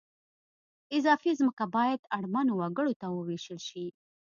اضافي ځمکه باید اړمنو وګړو ته ووېشل شي